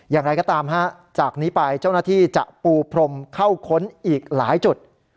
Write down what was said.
อย่างไรก็ตามจากนี้ไปเจ้าหน้าที่จะปูพรมเข้าค้นอีกหลายจุด